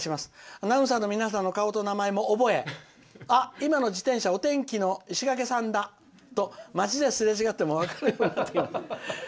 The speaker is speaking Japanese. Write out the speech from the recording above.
アナウンサーの皆さんの顔と名前も覚えあ、今の自転車お天気の石掛さんだと町ですれ違っても分かるようになってきました」。